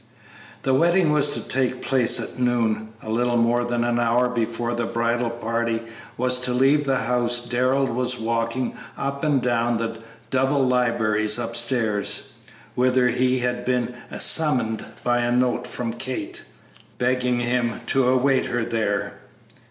The wedding was to take place at noon. A little more than an hour before the bridal party was to leave the house Darrell was walking up and down the double libraries upstairs, whither he had been summoned by a note from Kate, begging him to await her there.